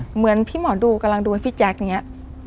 เหมือนพี่หมอดูกำลังดูให้พี่แจ๊คอย่างนี้